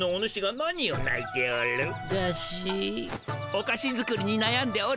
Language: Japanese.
おかし作りになやんでおるの？